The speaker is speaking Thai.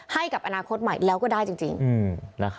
ให้กับอนาคตใหม่แล้วก็ได้จริง